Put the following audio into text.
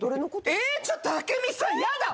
えちょっと明美さんやだ！